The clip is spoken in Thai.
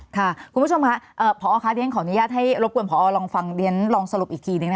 ค่ะคุณผู้ชมค่ะพอค่ะเรียนขออนุญาตให้รบกวนพอลองฟังเรียนลองสรุปอีกทีนึงนะคะ